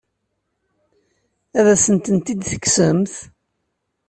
Ad asent-tent-tekksemt?